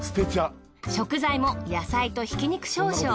食材も野菜と挽き肉少々。